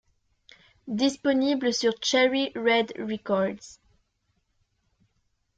Disponible sur Cherry Red Records.